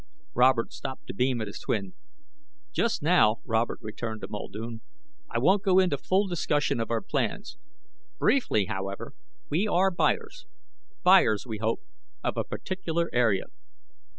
Robert stopped to beam at his twin. "Just now," Robert returned to Muldoon, "I won't go into full discussion of our plans. Briefly, however, we are buyers, buyers, we hope, of a particular area.